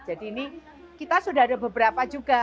jadi ini kita sudah ada beberapa juga